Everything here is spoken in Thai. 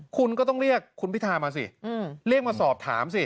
คุณก็ต้องเรียกคุณพิธามาสิเรียกมาสอบถามสิ